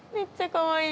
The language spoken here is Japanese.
かわいい。